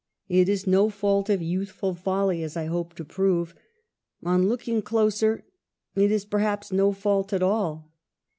It is no fault of youthful THE ''HEPTAMERON:' 205 f'^Uy, as I hope to prove. On looking closer, it ^.^ perhaps, no fault at all.